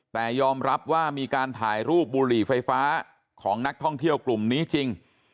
แต่ยอมรับว่ามีการถ่ายรูปบุหรี่ไฟฟ้าของนักท่องเที่ยวกลุ่มนี้จริง